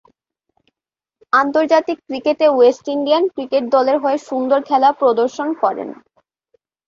আন্তর্জাতিক ক্রিকেটে West Indian cricket দলের হয়ে সুন্দর খেলা প্রদর্শন করেন।